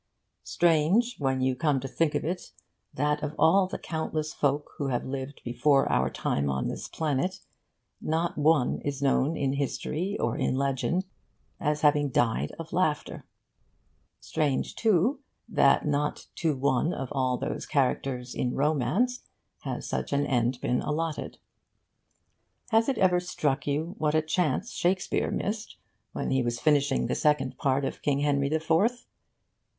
Strange, when you come to think of it, that of all the countless folk who have lived before our time on this planet not one is known in history or in legend as having died of laughter. Strange, too, that not to one of all the characters in romance has such an end been allotted. Has it ever struck you what a chance Shakespeare missed when he was finishing the Second Part of King Henry the Fourth?